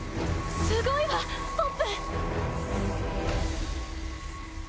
すごいわポップ！